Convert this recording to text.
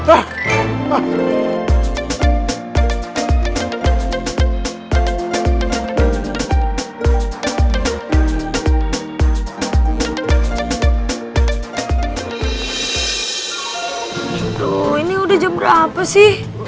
aduh ini udah jam berapa sih